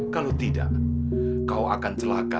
kalau tidak kau akan celaka dunia ini